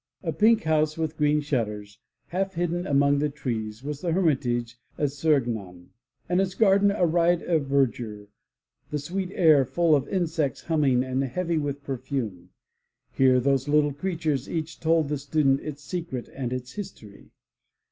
A pink house with green shutters, half hidden among trees, was the hermitage at Serignan, and its garden a riot of verdure, the sweet air full of insects humming and heavy with perfume. Here those little creatures each told the student its secret and its history.